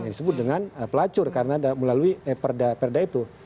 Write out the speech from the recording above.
yang disebut dengan pelacur karena melalui perda itu